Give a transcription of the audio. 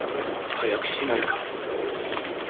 早くしないか。